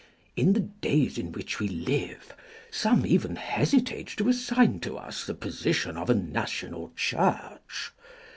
In the days in which we live some even hesitate to assign to us the position of a National Church.